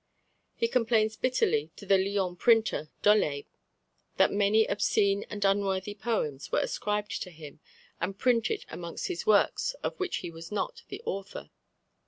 He complains bitterly to the Lyons printer, Dolet, that many obscene and unworthy poems were ascribed to him and printed amongst his works of which he was not the author.